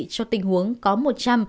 cho các đội tiêm lưu động để tiêm tại nhà